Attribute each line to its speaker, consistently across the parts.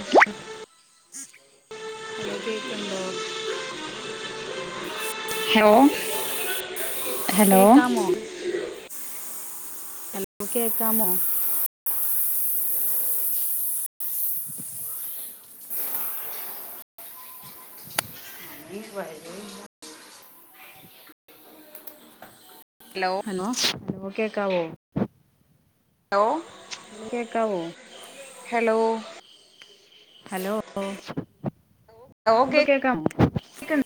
Speaker 1: [inaudible]
Speaker 2: Hello കേക്കണ്ടോ
Speaker 1: hello hello hello
Speaker 2: കേക്കാമോ hello കേക്കാമോ നീ വരുകേയില്ല
Speaker 1: ഹലോ
Speaker 2: ഹലോ ഹലോ കേക്കാവോ
Speaker 1: ഹലോ
Speaker 2: ഹലോ കേക്കാവോ
Speaker 1: ഹലോ
Speaker 2: ഹലോ
Speaker 1: ലോ
Speaker 2: ഇപ്പൊ
Speaker 1: കേക്ക്
Speaker 2: കേക്കാമോ
Speaker 1: കേക്കണ്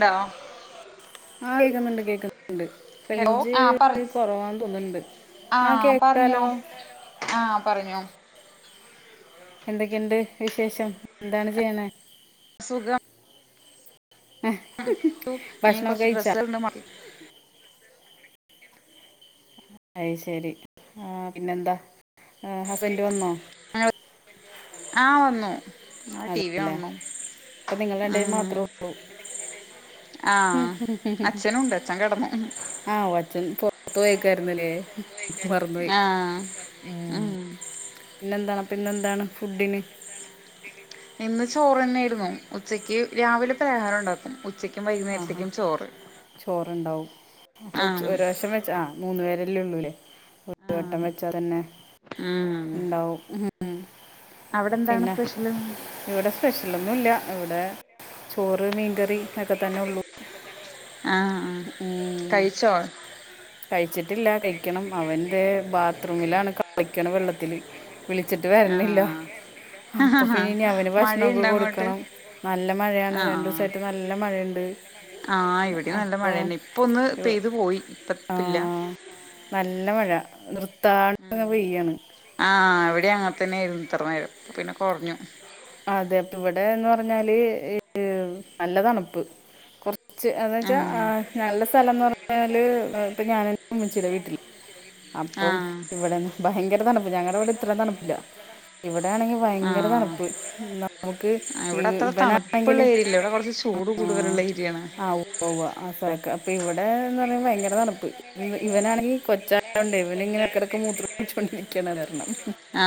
Speaker 1: ണ്ടോ
Speaker 2: ആ കേക്കുന്നുണ്ട് കേക്ക് ണ്ട്
Speaker 1: ഹലോ
Speaker 2: റെയ്ഞ്ച്
Speaker 1: ആ പറ
Speaker 2: കൊറവാന്ന് തോന്നുണ്ട് ആഹ് കേക്കാലോ
Speaker 1: ആഹ് പറഞ്ഞോ
Speaker 2: എന്തൊക്കെണ്ട് വിശേഷം എന്താണ് ചെയ്യണ്
Speaker 1: സുഖം
Speaker 2: ഭക്ഷണൊക്കെ
Speaker 1: കൊറച്ച്
Speaker 2: കഴിച്ചാ
Speaker 1: ഡ്രസ്സളിണ്ട് [unintelligible]
Speaker 2: അയ്ശരി ആഹ് പിന്നെന്താ ഹസ്ബന്റ് വന്നോ
Speaker 1: ആഹ് വന്നു ആ ടി വി
Speaker 2: അതെല്ലേ
Speaker 1: കാണ് ണു
Speaker 2: അപ്പൊ നിങ്ങൾ രണ്ടുപേരും
Speaker 1: ഉം
Speaker 2: മാത്രേ ഉള്ളൂ
Speaker 1: ആഹ് അച്ഛനുണ്ട് അച്ഛൻ കിടന്നു
Speaker 2: ആഹ് അച്ചൻ പൊറത്തു പോയേക്കുവായിരുന്നല്ലേ മറന്നു പോയി
Speaker 1: ആ
Speaker 2: ഉം പിന്നെന്താണ് പിന്നെന്താണ് ഫുഡിന്
Speaker 1: ഇന്ന് ചോറ് തന്നൊയിരുന്നു ഉച്ചക്ക് രാവിലെ പലഹാരം ഒണ്ടാക്കും
Speaker 2: ആഹാ ചോറുണ്ടാവും അപ്പൊ
Speaker 1: ആ
Speaker 2: ഒരുറാശ്യം വെ ച്ചാ മൂന്ന് പേരെല്ലേ ഉള്ളൂല്ലേ
Speaker 1: ആ
Speaker 2: ഒരു വട്ടം വെച്ചാ തന്നെ
Speaker 1: ഉം
Speaker 2: [unintelligible]
Speaker 1: അവിടെന്താണ്
Speaker 2: പിന്നെ
Speaker 1: സ്പെഷ്യൽ
Speaker 2: ഇവിടെ സ്പെഷ്യലൊന്നുല്ല ഇവിടെ ചോറ് മീൻകറി ഒക്കെ തന്നെ ഉള്ളൂ
Speaker 1: ആഹ് ആഹ്
Speaker 2: ഉം
Speaker 1: കഴിച്ചോ
Speaker 2: കഴിച്ചിട്ടില്ല കഴിക്കണം അവന്റെ ബാത്റൂമിലാണ് കളിക്കണ് വെള്ളത്തില് വിളിച്ചിട്ട്
Speaker 1: ആഹ്
Speaker 2: വരണില്ല അപ്പൊ പിന്നെ ഇനി അവന് ഭക്ഷണൊക്കെ
Speaker 1: മഴയുണ്ടോ അങ്ങോട്ട്
Speaker 2: കൊടുക്കണം നല്ല മഴയാണ്
Speaker 1: ആഹ്
Speaker 2: രണ്ടൂസായിട്ട് നല്ല മഴണ്ട്
Speaker 1: ആഹ് ഇവടെം നല്ല മഴേന്നെ ഇപ്പൊന്ന് പെയ്തു പോയി ഇപ്പ പ്പില്ല
Speaker 2: ആഹ് നല്ല മഴ നിർത്താണ്ട് പെയ്യാണ്
Speaker 1: ആ ഇവിടെ അങ്ങനെ തന്നായിരുന്നു ഇത്ര നേരം പിന്നെ കുറഞ്ഞു
Speaker 2: അതെ അപ്പൊ ഇവിടെന്ന് പറഞ്ഞാല് നല്ല തണുപ്പ് കൊറച്ച് എന്ന് വെച്ചാ
Speaker 1: ആഹ്
Speaker 2: നല്ല സ്ഥലം എന്ന് പറഞ്ഞാല് ഇപ്പൊ ഞാൻ ഇമ്മിച്ചിടെ വീട്ടില് അപ്പം
Speaker 1: ആഹ്
Speaker 2: ഇവിടെ ഭയങ്കര തണുപ്പ് ഞങ്ങടെ അവിടെ ഇത്രയും തണുപ്പില്ല ഇവിടെയാണെങ്കി ഭയങ്കര
Speaker 1: ആഹ്
Speaker 2: തണുപ്പ് നമുക്ക് ഈ
Speaker 1: ഇവിടെ അത്ര തണുപ്പുള്ള
Speaker 2: ഇവനാണെങ്കില്
Speaker 1: ഏരിയല്ല ഇവിടെ കുറച്ച് ചൂട് കൂടുതലുള്ള ഏരിയാണ്
Speaker 2: ഉവ്വാ ആ സ്ഥലക്കെ അപ്പൊ ഇവിടെ എന്ന് പറ ഭയങ്കര തണുപ്പ് ഇവനാണെങ്കിൽ കൊച്ചായോണ്ട് ഇവൻ ഇങ്ങനെ എടക്കടൊക്കെ മൂത്രം ഒഴിച്ചോണ്ടിരിക്കാണ് അത് കാരണം
Speaker 1: ആ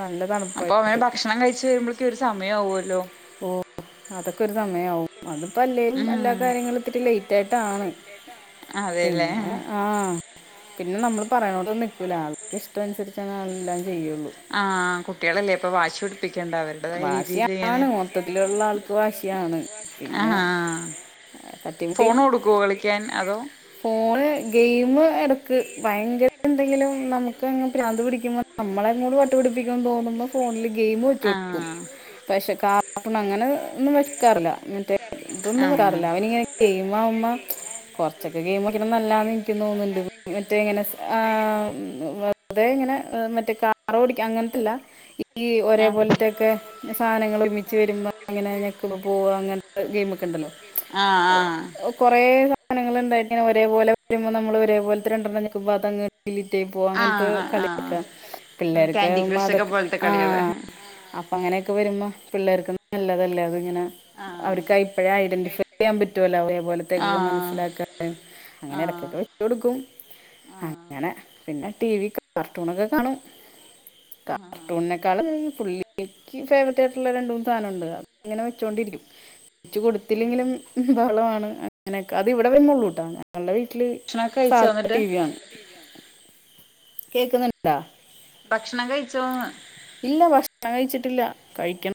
Speaker 2: നല്ല
Speaker 1: അപ്പൊ അവന്
Speaker 2: തണുപ്പായിട്ട്
Speaker 1: ഭക്ഷണം കഴിച്ചു വരുമ്പോഴക്ക് ഒരു സമയം ആവുല്ലോ
Speaker 2: ഓ അതൊക്കെ ഒരു സമയാവും അതിപ്പോ അല്ലേലും
Speaker 1: ഉം
Speaker 2: എല്ലാ കാര്യങ്ങളും ഇത്തിരി ലേ ലേറ്റാട്ടാണ്
Speaker 1: അതെല്ലേ
Speaker 2: പിന്നെ ആഹ് പിന്നെ നമ്മള് പറയാനോടത്തൊന്നും നിക്കൂല ആൾക്ക് ഇഷ്ടം അനുസരിച്ചാണ് ആളെല്ലാം ചെയ്യുള്ളൂ
Speaker 1: ആ കുട്ടികളല്ലേ ഇപ്പൊ വാശി പിടിപ്പിക്കണ്ട അവരുടേതായ രീതിയിൽ ഇങ്ങനെ
Speaker 2: വാശിയാണ് മൊത്തത്തിലുള്ള ആൾക്ക് വാശിയാണ് പിന്നെ ഏ, തട്ടിമുട്ടി
Speaker 1: ഫോൺ കൊടുക്കുവോ വിളിക്കാൻ അതോ
Speaker 2: ഫോണ് ഗെയിം എടക്ക് ഭയങ്കര എന്തെങ്കിലും നമുക്കങ്ങ് ഭ്രാന്ത് പിടിക്കുമ്പോ നമ്മളെങ്ങട് വട്ടുപിടിപ്പിക്കുന്ന് തോന്നുമ്പോ ഫോണിൽ ഗെയിമ് വെച്ച് കൊടുക്കും
Speaker 1: കുറച്ച്
Speaker 2: പക്ഷെ കാർട്ടൂൺ അങ്ങനെ ഒന്നും വെക്കാറില്ല മറ്റേ ഇതൊന്നും വരാറില്ല അവനിങ്ങനെ
Speaker 1: കാർട്ടൂണൊന്നും
Speaker 2: ചെയ്യ്മ ഉമ്മ കുറച്ചൊക്കെ ഗെയിമ് കളിക്കണ നല്ലാന്ന് എനിക്ക് തോന്നുന്നുണ്ട് മറ്റേങ്ങനെ ആ അതെ ഇങ്ങനെ മറ്റേ കാറ് ഓടിക്ക അങ്ങനത്തെല്ല ഈ ഒരേ പോലത്തെക്കെ സാധനങ്ങൾ ഒരുമി ച്ച് വരുമ്പോ അങ്ങനെ ഞെക്കുമ്പ പോ അങ്ങനത്തെ ഗെയിമ് ഒക്കെ ഉണ്ടല്ലോ
Speaker 1: ആ ആ
Speaker 2: കൊറേ സാധനങ്ങള് ഇണ്ടായിട്ട് ഒരേപോലെ വരുമ്പോൾ നമ്മള് ഒരേപലത്തെ രണ്ടണ്ണം നിക്കുമ്പോ അതങ്ങ്. ഡിലിറ്റായി പോവാ അങ്ങനത്തെ
Speaker 1: ആഹ് ആഹ് ആഹ്
Speaker 2: കളിയൊക്കെ
Speaker 1: ഉം
Speaker 2: പിള്ളേർക്ക്
Speaker 1: കാൻഡി ക്രഷ് ഒക്കെ പോലത്തെ കളികള്
Speaker 2: അപ്പ അങ്ങനെയൊക്കെ വരുമ്പോ പിള്ളേർക്ക് നല്ലതല്ലേ അതങ്ങനെ
Speaker 1: ആഹ്
Speaker 2: അവർക്ക് ഇപ്പഴേ ഐഡന്റിഫൈ ചെയ്യാൻ പറ്റുമല്ലോ അവ പോലത്തക്കക്കെ
Speaker 1: ആഹ്
Speaker 2: മനസ്സിലാക്കണ്ടേ അങ്ങനെ
Speaker 1: ആഹ്
Speaker 2: ഇടക്കൊക്കെ
Speaker 1: ആഹ്
Speaker 2: വെച്ച് കൊടുക്കും. അങ്ങനെ പിന്നെ ടി വി കാർട്ടൂണൊക്കെ കാണും.
Speaker 1: ആഹ്
Speaker 2: കാർട്ടൂണിനേക്കാളും പുള്ളിക്ക് ഫേവററ്റ് രണ്ട് മൂന്ന് സാധന ഉണ്ട് അങ്ങനെ വെച്ചോണ്ടിരിക്കും. ച്ച് കൊടുത്തില്ലെങ്കിലും ബഹളമാണ് അങ്ങനെയൊക്കെ അത് ഇവിടെവഞ്ഞൊള്ളൂട്ടൊ. ങ്ങൾടെ വീട്ടില്
Speaker 1: ഭക്ഷണൊക്കെ കഴിച്ചോ
Speaker 2: സാധാ
Speaker 1: എന്നിട്ട്
Speaker 2: ടി വിയാണ്. കേക്ക്ന്നുണ്ടാ?
Speaker 1: ഭക്ഷണം കഴിച്ചോന്ന്.
Speaker 2: ഇല്ല ഭക്ഷണം കഴിച്ചിട്ടില്ല കഴിക്കണം.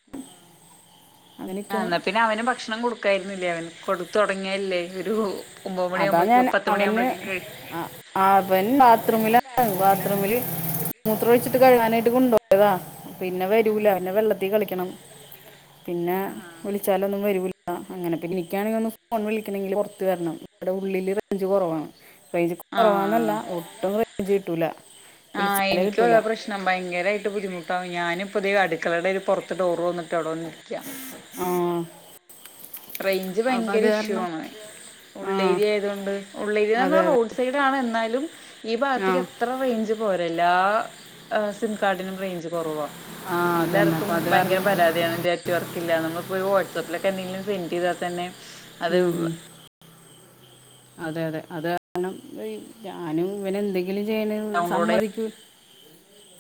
Speaker 2: അങ്ങനെ
Speaker 1: ആ
Speaker 2: നിൽക്കണ്
Speaker 1: ഇന്നാ പിന്നെ അവന് ഭക്ഷണം കൊടുക്കായിരുന്നില്ലേ അവൻ. കൊടുത്തൊടങ്ങിയല്ലേ ഒരു ഒമ്പത് മണിയാകുമ്പളക്കും പത്ത് മണിയാവുമ്പളക്കും കഴിയും.
Speaker 2: ആ വൻ ബാത്റൂമില ബാത്റൂമില് മൂത്രൊഴിച്ചിട്ട് കഴുകാനായിട്ട് കൊണ്ട്പോയതാ. പിന്നെ വരൂല പിന്നെ
Speaker 1: ഉം
Speaker 2: വെള്ളത്തി കളിക്കണം. പിന്നെ
Speaker 1: ആഹ്
Speaker 2: വിളിച്ചാലൊന്നും വരൂ ലാ. അങ്ങനെക്കെ ഇൻക്കാണങ്കി ഒന്ന് ഫോൺ വിളിക്കണെങ്കില് പൊർത്ത് വരണം. ഇവിടെ ഉള്ളില് റേഞ്ച് കൊറവാണ്. റെയ്ഞ്ച് കൊറവാന്നല്ല
Speaker 1: ആഹ്
Speaker 2: ഒട്ടും റെയ്ഞ്ച് കിട്ടൂല. വിളിച്ചാലെ കിട്ടൂല.
Speaker 1: ക്കണം. ഭയങ്കരായിട്ട് ബുദ്ധിമുട്ടാവും. ഞാനിപ്പതെ അടുക്കളെടെ ഒരു പൊറത്ത് ഡോറ് തൊറന്നിട്ട് അവടെവന്നിരിക്കാ.
Speaker 2: ആഹ്.
Speaker 1: റേഞ്ച് ഭയങ്കര ഇഷ്യൂ ആണ്.
Speaker 2: ആ
Speaker 1: ഉള്ളേരിയ ആയതുകൊണ്ട്.
Speaker 2: അതെ
Speaker 1: ഉള്ളേരിയാന്നറഞ്ഞാ
Speaker 2: അതെ
Speaker 1: റോഡ് സൈഡാണ് എന്നാലും. ഈ
Speaker 2: ആ
Speaker 1: ഭാഗത്ത്ക്ക് അത്ര റേഞ്ച് പോര എല്ലാ ഏഹ് സിം കാർഡിനും റേഞ്ച് കൊറവാ.
Speaker 2: ആ അത് തന്നെ
Speaker 1: എല്ലാർക്കും
Speaker 2: അപ്പം അത്
Speaker 1: ഭയങ്കര
Speaker 2: കാരണം
Speaker 1: പരാതിയാണ് നെറ്റ്‌വർക്ക് ഇല്ലാന്നിള്ളത്. ഇപ്പൊ ഒരു വാട്സപ്പിലൊക്കെ എന്തെങ്കിലും സെൻ്റയ്താ തന്നെ അത്
Speaker 2: ഉം ഉം. അതെ അതെ അത് കാരണം ഈ ഞാനും ഇവനെന്തെങ്കിലും ചെയ്യണെന്
Speaker 1: ഡൗൺലോഡ്
Speaker 2: സമ്മതിക്കൂ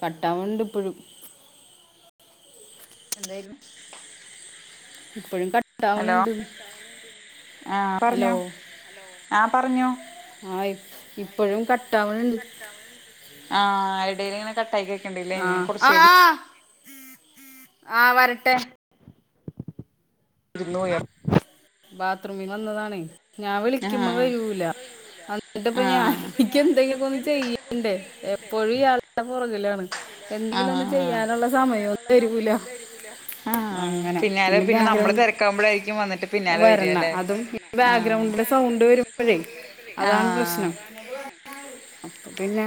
Speaker 2: കട്ടാവ്ണ്ണ്ട് ഇപ്പഴും.
Speaker 1: എന്തായാലും
Speaker 2: ഇപ്പഴും കട്ട
Speaker 1: ഹലോ, കാട്ടാവ്ണ്ണ്ട്. ആഹ്
Speaker 2: ഹലോ
Speaker 1: പറഞ്ഞോ ഹലോ ആഹ് പറഞ്ഞോ
Speaker 2: ആഹ് ഇപ്പഴും കട്ടാവണ്ണ്ട്
Speaker 1: കട്ടാവ്ണ്ണ്ട്. ആഹ് എടേലിങ്ങനെ കട്ടായി കേൾക്കണ്ടില്ലേ ഞാൻ
Speaker 2: ആഹ്,
Speaker 1: കുറച്ച് നേരം
Speaker 2: ആഹ് ആ വരട്ടെ.
Speaker 1: വിരുന്ന് പോയാ
Speaker 2: ബാത്റൂമിന്ന് വന്നതാണേ. ഞാൻ
Speaker 1: ആ
Speaker 2: വിളിക്കുമ്പോ വരൂല. അന്നിടിപ്പോ ഞാന്
Speaker 1: ആ
Speaker 2: എനിക്കെന്തെങ്കിലൊക്കൊന്ന് ചെയ്യണ്ടേ എപ്പഴും ഇയാൾ ന്റെ പൊറകിലാണ്.
Speaker 1: ആ
Speaker 2: എന്തെങ്കിലും ഒന്ന്
Speaker 1: ആ
Speaker 2: ചെയ്യാനുള്ള സമയോന്നും തരൂല. അങ്ങനെ പിന്നെ ബാഗ്രൗണ്ട്
Speaker 1: ക്കാവുംമ്പഴായിരിക്കും വന്നിട്ട് പിന്നാലെ വരാല്ലേ?
Speaker 2: ബാഗ്രൗണ്ടിലെ സൗണ്ട് വരുമ്പഴേ അതാണ് പ്രശ്നം. അപ്പൊ പിന്നെ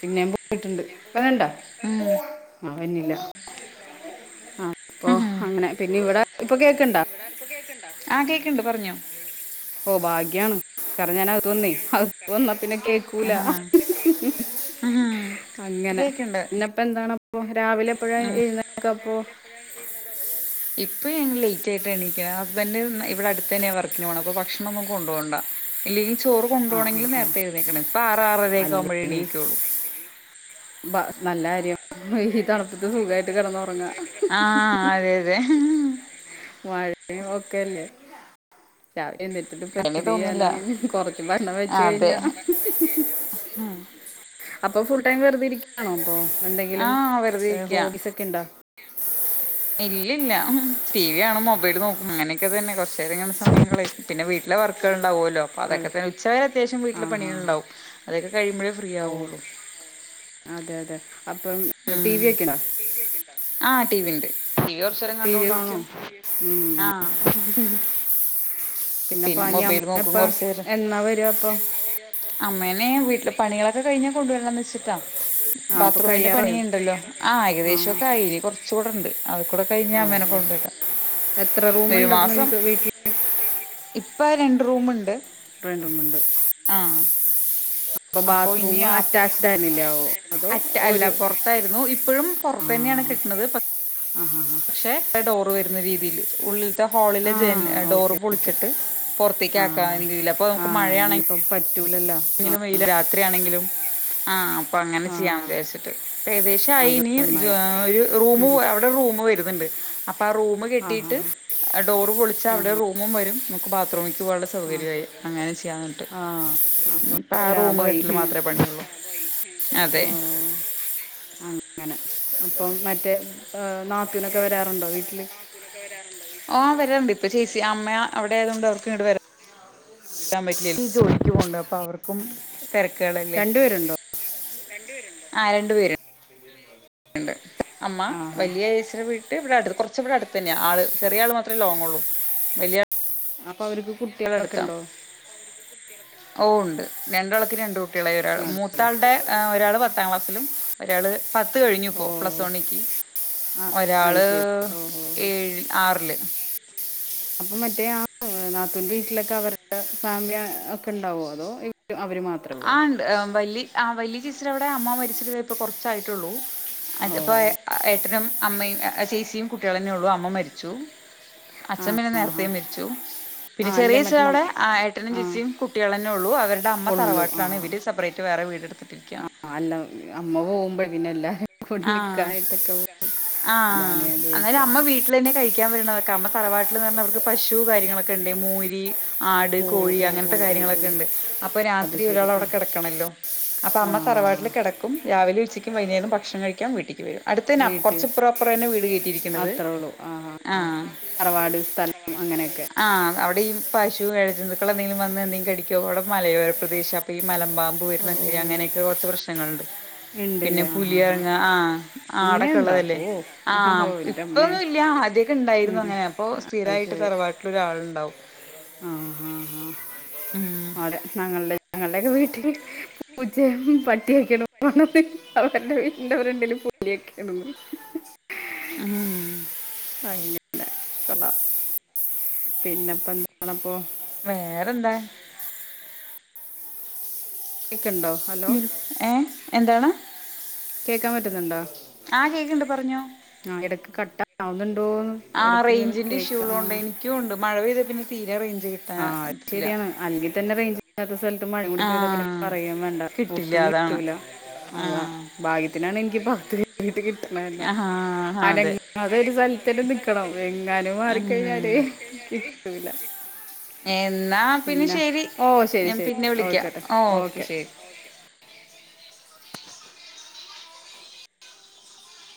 Speaker 2: പിന്നേം പോയിട്ട്ണ്ട്. വര്ണ്ണ്ടോ?
Speaker 1: ആഹ്.
Speaker 2: ആ വര്ണില്ല. അപ്പൊ
Speaker 1: ഉം
Speaker 2: അങ്ങനെ പിന്നെ ഇവിടെ ഇപ്പൊ കേക്ക്ണ്ടോ?
Speaker 1: കേക്ക്ണ്ടോ? ആ കേക്ക്ണ്ട് പർഞ്ഞോ.
Speaker 2: ഓഹ് ഭാഗ്യണ് ക്കാരം ഞാൻ അകത്ത് വന്നേ. അകത്ത് വന്നാ പിന്നെ കേക്കൂല.
Speaker 1: ഉം ഇപ്പ
Speaker 2: അങ്ങനെ.
Speaker 1: കേക്ക്ണ്ട്
Speaker 2: പിന്നെപ്പെന്താണപ്പോ രാവിലെ എപ്പോഴ എഴ്ന്നേക്കെ അപ്പോ?
Speaker 1: എപ്പഴാ എഴുന്നേക്കാ അപ്പൊ? ഇപ്പൊ ഞങ്ങള് ലേറ്റ് ആയിട്ട എണീക്ക ഹസ്ബന്ഡ് ഇവിടെ അടുത്തന്നെയാ വർക്കിന് പോണത് അപ്പൊ ഭക്ഷണം ഒന്നും കൊണ്ട്പോണ്ട. ഇല്ലെങ്കിൽ ചോറ്
Speaker 2: ആ ആ
Speaker 1: കൊണ്ടോണെങ്കില്
Speaker 2: ആ
Speaker 1: നേരത്തെ എഴുന്നേക്കണം. ഇപ്പ ആറ്ആറരക്കെ ആകുമ്പഴേ എണീക്കൊള്ളൂ.
Speaker 2: ഭ നല്ല കാര്യം. ഈ തണുപ്പത്ത് സുഖായിട്ട് കെടന്നൊറങ്ങാ.
Speaker 1: ആഹ് അതെ അതെ.
Speaker 2: മഴീ ഒക്കെല്ലേ? ച എന്നിട്ട് ഇപ്പ
Speaker 1: അങ്ങനെ
Speaker 2: എൃതി
Speaker 1: തോന്നില്ല
Speaker 2: ചെയ്യാനാണ് കൊറച്ച ഭക്ഷണം വെച്ച കഴിഞ്ഞാ
Speaker 1: ആഹ്
Speaker 2: അപ്പ ഫുൾ ടൈം വെറുതെ ഇരിക്കുകയാണോ അപ്പൊ
Speaker 1: ആഹ് വെറുതെരിക്കാ
Speaker 2: ക്കണ്ടാ
Speaker 1: ഇല്ലല്ല ടി വി ആണ മൊബൈൽ നോക്കും അങ്ങനെയൊക്കെ തന്നെ കുറച്ച നേരംങ്ങനെ സമയം കളയും പിന്നെ വീട്ടിലെ വർക്കൾണ്ടാവുല്ലോ അപ്പ
Speaker 2: അതെ
Speaker 1: അതൊെക്കെ തന്നെ ഉച്ചവരെ അത്യാവ്യ
Speaker 2: ആ
Speaker 1: വീട്ടില്
Speaker 2: ഹാ
Speaker 1: പണികൾണ്ടും അതൊക്ക കിയുമ്പഴേ ഫ്രീ
Speaker 2: ഓ
Speaker 1: ആകയുള്ളൂ
Speaker 2: അതെ അതെ അപ്പം ടി
Speaker 1: ഉം
Speaker 2: വി വക്കണോ
Speaker 1: ആ ടി വി ഉണ്ട് ടി വി കുറച്ചുരം
Speaker 2: ടി വി കാണോ
Speaker 1: കണ്ടൊണ്ടിരിക്കും
Speaker 2: ഉം.
Speaker 1: ആഹ്
Speaker 2: പിന്നെ പനി
Speaker 1: മൊബൈൽ
Speaker 2: അമ്മ
Speaker 1: നോക്കും
Speaker 2: ഇപ്പ
Speaker 1: കുറച്ചു നേരം
Speaker 2: എന്നാ വരു അപ്പൊ
Speaker 1: അമ്മേനെ വീട്ടില് പണികളൊക്കെ കഴിഞ്ഞാൽ കൊണ്ടുവരണംന്ന് വെച്ചിട്ടാ
Speaker 2: ആ അപ്പൊ
Speaker 1: ബാത്റൂമിന്റെ
Speaker 2: കഴിയാറായോ
Speaker 1: പണിയ ഉണ്ടല്ലോ ആ ഏകദേശക്കെ അയിൽ കുറച്ച കൂടെണ്ട് അത് കൂടെ കഴിഞ്ഞ അമ്മേനെ
Speaker 2: ഓഹോ
Speaker 1: കൊണ്ടുവരാാം
Speaker 2: എത്ര
Speaker 1: ഒരു
Speaker 2: റൂമുണ്ട് അപ്പൊ
Speaker 1: മാസം
Speaker 2: നിങ്ങൾക്ക് വീട്ടിൽ
Speaker 1: ഇപ്പം രണ്ട് റൂമുണ്ട്
Speaker 2: വേണ്ടമുണ്ട്
Speaker 1: ആഹ് അപ്പൊ
Speaker 2: ബാത്റൂം
Speaker 1: ഇനി
Speaker 2: അറ്റാച്ച്ഡ് ആയിരുന്നില്ലാവോ അതോ
Speaker 1: അറ്റ അല്ല
Speaker 2: ഒരു
Speaker 1: പുറത്ത് ആയിരുന്നു ഇപ്പോഴും പുറത്തന്നെയാണ് കിട്ടുന്നത്
Speaker 2: ആഹ് ആഹ് ആഹ്
Speaker 1: പക്ഷെ ഡോറ് വരുന്ന രീതിയിയില് ഉള്ളിലത്തെ ഹാളിലെ
Speaker 2: ആ
Speaker 1: ജ
Speaker 2: ആ
Speaker 1: ഡോറ്
Speaker 2: ഓക്കെ ഓക്കെ
Speaker 1: പൊളിച്ചിട്ട് പുറത്തേക്ക്
Speaker 2: ആ
Speaker 1: ആക്കാൻ രീതിയില്ല അപ്പോ നമുക്ക് മഴയാണെങ്ക
Speaker 2: പറ്റൂലല്ല
Speaker 1: ങ്കിലുംയില രാത്രിയാണെങ്കിലും ആഹ് അപ്പൊ അങ്ങനെ
Speaker 2: ആ
Speaker 1: ചെയ്യാൻ ഉദ്ദേശിച്ചിട്ട് ഏകദേശം ആഹ്
Speaker 2: അത്
Speaker 1: ഇനി
Speaker 2: നന്നായി
Speaker 1: ഒരു റൂമ
Speaker 2: ഉം.
Speaker 1: അവിടെ റൂമ വരുന്നുണ്ട് അപ്പൊ ആഹ് റൂമ
Speaker 2: ആ ആ
Speaker 1: കെട്ടിയിട്ട് ഡോറ് പൊളിച്ചൽ അവിടെ റൂമുംരും നമുക്ക് ബാത്റൂമേക്ക് പോകാനുള്ള സൗകര്യമായി അങ്ങനെ ചെയ്യാ എന്നിട്ട്
Speaker 2: ആഹ് ആഹ്
Speaker 1: ഇപ്പം ആഹ് റൂമ് കെട്ടല് മാത്രമേ പണിയുള്ളൂ അതെ
Speaker 2: ഓ അങ്ങനെ അപ്പം മറ്റേ നാത്തൂവിനൊക്കെ വരാറുണ്ടോ വീട്ടില്
Speaker 1: ഒക്കെ വരാറുണ്ട് ആഹ് വരണ്ട് ഇപ്പ ചേച്ചി അമ്മ അവിടെ ആയത കൊണ്ട് അവർക്ക് ഇണ്ട് വരാ പാൻ പറ്റില്ല ജോലിക്ക് പോകണ്ട് അപ്പ അവർ തിരക്കുകളല്ലേ
Speaker 2: രണ്ടുപേരുണ്ടോ
Speaker 1: ആ രണ്ട പേരു അമ്മ
Speaker 2: ആ ആ
Speaker 1: വലിയ ചേച്ചിടെവീട്ട് ഇവിടെ അടു കുറച്ച ഇവിടെ അടുത്ത് തന്നെയ ആള് ചെറിയ ആൾ മാത്രമേ ലോങ്ങള്ളൂ വലിയ
Speaker 2: അപ്പൊ അവർക്ക്
Speaker 1: ആളുടെ
Speaker 2: കുട്ടികളൊക്കെ
Speaker 1: അടുത്താണ്
Speaker 2: ഉണ്ടോ
Speaker 1: ഓ ഉണ്ട് രണ്ടളക്ക് രണ്ട് കുട്ടി ളായി ഒരാൾ
Speaker 2: അതെയല്ലേ
Speaker 1: മൂത്താളുടെ ഒരാൾ പത്താം ക്ലാസ്സിലും ഒരാൾ പത്ത് കഴിഞ്ഞു
Speaker 2: ഓ
Speaker 1: ഇപ്പോൾ പ്ലസ് വണ്ണിക്ക്
Speaker 2: ആ അത്
Speaker 1: ഒരാള്
Speaker 2: ശരി ഓ ഓ
Speaker 1: ഏഴി ആറില്
Speaker 2: അപ്പൊ മറ്റേ ആഹ് നാത്തൂന്റെ വീട്ടിലൊക്കെ അവരുടെ ഫാമിലി ഒക്കെ ഉണ്ടാവോ അതോ അവര് മാത്ര
Speaker 1: ആണ്ട് വല ഹ് വലിയ ചീച്ചില അവിടെ അമ്മ മരിച്ചിട്ടേ ഇപ്പ കുറച്ചായിട്ടുള്ളൂ അപ്പൊ
Speaker 2: ഓ
Speaker 1: ഏട്ടനും അമ്മയും ചേച്ചിയും കുട്ടികളന്നേ ഉള്ളു അമ്മ മരിച്ചു അച്ഛ
Speaker 2: ആ ആ ആ
Speaker 1: പിന്നെനേരത്തെയ മരിച്ചു
Speaker 2: ആ
Speaker 1: പിന്നെ
Speaker 2: അല്ല
Speaker 1: ചെറിയ ഛൻ്റെ
Speaker 2: മറ്റേ നം
Speaker 1: അവിടെ ആഹ് ഏട്ടനും
Speaker 2: ആ
Speaker 1: ചേച്ചിയും കുട്ടികളെന്നെ ഉള്ളൂ അവരുടെ അമ്മ
Speaker 2: ഉള്ളൂ ആ
Speaker 1: തറവാട്ടിലാണ് ഇവർ സെപ്പറേറ്റ് വേ റെവീട് എടുത്തിരിക്ക
Speaker 2: ആ അല്ല അമ്മ പോകുമ്പോഴ പിന്നെ എല്ലാവരും
Speaker 1: ആഹ്
Speaker 2: കുക്കായിട്ടൊക്കെ പോ അതാണ്
Speaker 1: ആഹ്
Speaker 2: ഞാൻ ചോയിച്ച
Speaker 1: അന്നേരം അമ്മ വീട്ടിൽ തന്നെ കഴിക്കാൻ വരുന്ന കാരമ്മ തലവാട്ടിൽ എന്ന് പറഞ്ഞ അവർക്ക് പശു കാര്യങ്ങളൊക്കെ ഉണ്ട് മൂരി ആട്
Speaker 2: ഓ
Speaker 1: കോഴി
Speaker 2: ഓ ഓ
Speaker 1: അങ്ങനത്തെ
Speaker 2: ഓ ഓ
Speaker 1: കാര്യങ്ങളൊക്കെ ഉണ്ട് അപ്പൊ
Speaker 2: അത്
Speaker 1: രാത്രി ഒരാൾ
Speaker 2: ശരി ആ
Speaker 1: അവിടെ കിടക്കണല്ലോ അപ്പൊ
Speaker 2: ആ
Speaker 1: അമ്മ തറവാട്ടില് കെ ടക്കും രാവിലെ ഉച്ചക്കും വൈകുന്നേരം ഭക്ഷണം കഴിക്കൻ വീട്ട്ക്ക് വരും അടുത്തന്നെ
Speaker 2: വീട്ടിൽ
Speaker 1: കൊറച്ചപ്പറംപ്പുറ തന്നെ വീട് കേട്ടിയിരിക്കുന്നത്
Speaker 2: അത്രേ ഉള്ളൂ ആ
Speaker 1: ആഹ
Speaker 2: അങ്ങനെക്കെ
Speaker 1: ആഹ് അവിടെഈ പശു ഇഴജന്തുക്കൾ എന്തെങ്കിലും വന്ന് എന്തെങ്കുംടിക്കോ അവിടെ മലയോര പ്രദേശം അപ്പൊ ഈ മല പാമ്പ്
Speaker 2: ഓ
Speaker 1: വരുന്നെ അങ്ങനക്കെ കുറച്ച് പ്രശ്നങ്ങൾ ണ്ട് പിന്നെ
Speaker 2: ഉണ്ടല്ലേ ആ
Speaker 1: പു പി
Speaker 2: ആ
Speaker 1: റ ആ ആടൊക്കെ
Speaker 2: അങ്ങനെയുണ്ടോ
Speaker 1: ഉള്ളതല്ലേ
Speaker 2: ഓ
Speaker 1: ആഹ
Speaker 2: ഓ എൻ്റെ അമ്മേ
Speaker 1: ഇപ്പൊന്നുംല്ല ആദ്യൊക്കെ ഉണ്ടായിരുന്നു
Speaker 2: ഉം.
Speaker 1: അങ്ങനെ അപ്പോൾ
Speaker 2: അത്
Speaker 1: സ്ഥിരമായിട്ട്
Speaker 2: ശരി
Speaker 1: തറവാട്ടില് ഒരാളുണ്ടാാവും
Speaker 2: ആ ആ
Speaker 1: ഉം
Speaker 2: ആ അടെ ഞങ്ങളുടെ ഞങ്ങളുടെയൊക്കെ വീട്ടില് പൂജയും പട്ടിയൊക്കണം അവരുടെ [unintelligible] വീട്ടന്റെവരുണ്ടേിലും പൊല്ലിയക്കണം
Speaker 1: ആഹ്
Speaker 2: ആല്ല [unintelligible] ച [inaudible] പിന്നെപ്പ എന്തണപ്പോൊ
Speaker 1: വേറെന്താ
Speaker 2: കേക്കുണ്ടോ ഹലോ
Speaker 1: ഏ എന്താണ്
Speaker 2: കേക്കാൻ പറ്റുന്നുണ്ടോ
Speaker 1: ആ കേക്കിണ്ട് പറഞ്ഞോ
Speaker 2: ആ ഇടക്ക് കട്ടാവുന്നുണ്ടോന്ന്
Speaker 1: ആ
Speaker 2: ഇടക്ക് ഇങ്ങനെ
Speaker 1: റേഞ്ചിന്റെ ഇഷ്യൂ ഉള്ള
Speaker 2: കേൾക്കാം
Speaker 1: ഉണ്ട് എനിക്കും ഉണ്ട് മഴ പെയ്ത പിന്നെ തീരെ റേഞ്ച് കിട്ടും
Speaker 2: ആഹ അത് ശരിയാണ് അല്ലങ്കിൽ തന്നെ റേഞ്ച്ല്ലാ ത്ത സ്ഥല തും മഴകൂടി പെയ്താ പിന്നെ
Speaker 1: ആഹ്
Speaker 2: പറയാ വേണ്ട
Speaker 1: കിട്ടില്ല
Speaker 2: ഒട്ടും
Speaker 1: അതാണ്
Speaker 2: കിട്ടൂല അതാ
Speaker 1: ആഹ്
Speaker 2: ഭാഗ്യത്തിനാണ് എനിക്ക് ഭഗത്ത് കീട്ട് കിട്ടണന്നെ
Speaker 1: ആഹാ
Speaker 2: അന
Speaker 1: അതെ
Speaker 2: അതൊരു സ്ഥൽത്തെന്നെ നിക്കണം എങ്ങാനും
Speaker 1: ഒരു
Speaker 2: മാറിക്കയ്ഞ്ഞാല്
Speaker 1: കാല്
Speaker 2: കിട്ടൂല
Speaker 1: കിട്ടൂല. എന്നാ പിന്നെ ശെരി
Speaker 2: ഓ ശരി
Speaker 1: ഞാൻ
Speaker 2: ശരി
Speaker 1: പിന്നെ വിളിക്കാ
Speaker 2: ഓയിക്കോട്ടെ
Speaker 1: ഓക്കെ ശെരി